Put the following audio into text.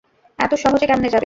এত সহজে কেমনে যাবে।